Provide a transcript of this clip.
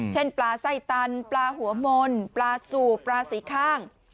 เช่นปลาไส้ตันปลาหัวมนปลาสูบปลาสีข้าง